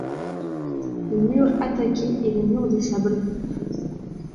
Le mur attaqué est le mur des sables.